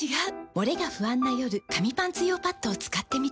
モレが不安な夜紙パンツ用パッドを使ってみた。